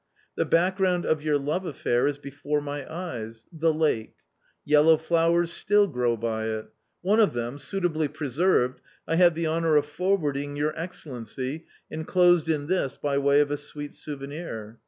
The background of your love affair is before my eyes — the lake. Yellow flowers still grow by it ; one of them, suitably preserved, I have the honour of. forwarding your Excellency enclosed in this by way of a sweet souvenir.